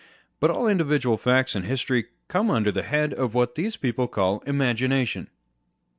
But all individual facts and history come under the head of what these people call Imagination.